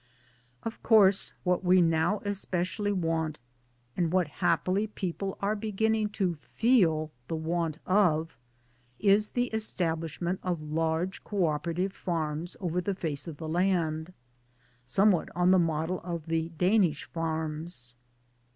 Of course what we now especially want, and what happily people are beginning to feel the want of, is the establishment of large co operative farms over the face of the land somewhat on the model of the Danish farms.